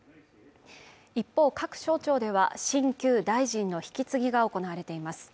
一方各省庁では新旧大臣の引き継ぎが行われています